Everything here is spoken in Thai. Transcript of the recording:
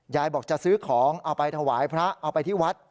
บอกจะซื้อของเอาไปถวายพระเอาไปที่วัด